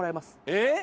えっ？